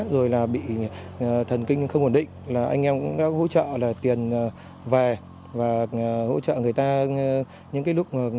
rồi là bị thần kinh không ổn định là anh em cũng đã hỗ trợ là tiền về và hỗ trợ người ta những cái lúc